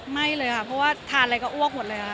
ไม่เลยค่ะเพราะว่าทานอะไรก็อ้วกหมดเลยค่ะ